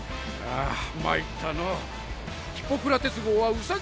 ああまいったのう。